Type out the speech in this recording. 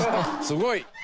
すごい。